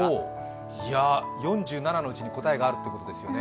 ４７のうちに答えがあるということですね。